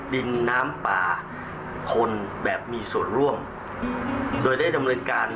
ดินน้ำป่าคนแบบมีส่วนร่วมโดยได้ดำเนินการ